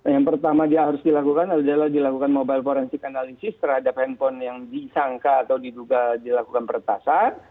yang pertama dia harus dilakukan adalah dilakukan mobile forensik analisis terhadap handphone yang disangka atau diduga dilakukan peretasan